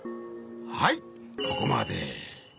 はいここまで。